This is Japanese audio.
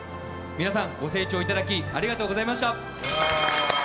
皆さん、ご清聴いただきありがとうございました。